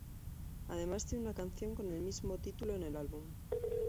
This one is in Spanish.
Además tiene una canción con el mismo título en el álbum.